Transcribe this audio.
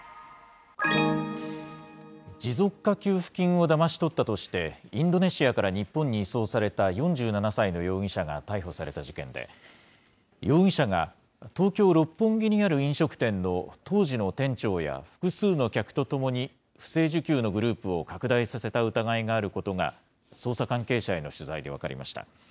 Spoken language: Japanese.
持続化給付金をだまし取ったとして、インドネシアから日本に移送された４７歳の容疑者が逮捕された事件で、容疑者が東京・六本木にある飲食店の当時の店長や複数の客と共に、不正受給のグループを拡大させた疑いがあることが、捜査関係者への取材で分かりました。